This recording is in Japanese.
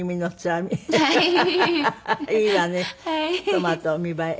「トマト見栄え」